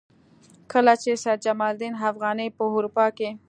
کله چې سید جمال الدین افغاني په اروپا کې.